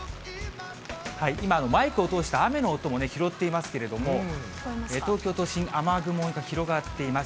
今、マイクを通して雨の音も拾っていますけれども、東京都心、雨雲が広がっています。